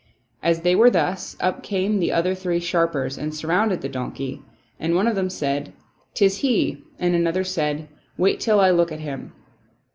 As they were thus, up came the other three sharpers and surrounded the donkey ; and one of them said, " 'Tis he," and another said, " Wait till I look at him."